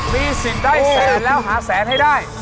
มีสิทธิ์ได้แสนแล้วหาแสนให้ได้